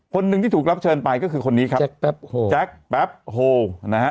คนนึงที่ถูกรับเชิญไปก็คือคนนี้ครับแจ็คแป๊บโฮแจ็คแป๊บโฮนะฮะ